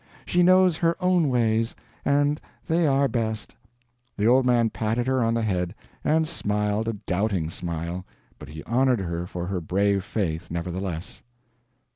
She knows her own ways, and they are best." The old man patted her on the head, and smiled a doubting smile, but he honored her for her brave faith, nevertheless.